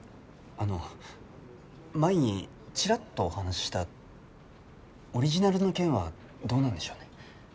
あの前にチラッとお話ししたオリジナルの件はどうなんでしょうね？